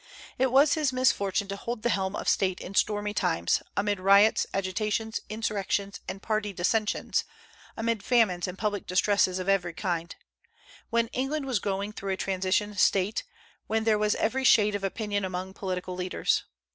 It was his misfortune to hold the helm of state in stormy times, amid riots, agitations, insurrections, and party dissensions, amid famines and public distresses of every kind; when England was going through a transition state, when there was every shade of opinion among political leaders.